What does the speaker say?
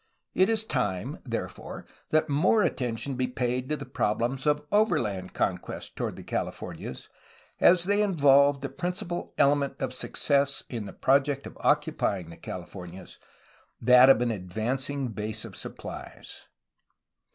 It is time, therefore, that more attention be paid to the problems of overland conquest toward the Californias, as they involved the principal ele ment of success in the project of occupying the Californias, that of an advancing base of supplies.